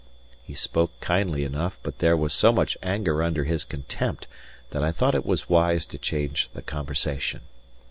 He spoke kindly enough, but there was so much anger under his contempt that I thought it was wise to change the conversation.